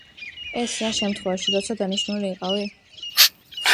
ეს რა შემთხვევაში, როცა დანიშნული იყავი?